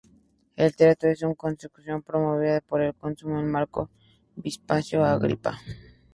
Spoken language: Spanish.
El teatro es una construcción promovida por el cónsul Marco Vipsanio Agripa.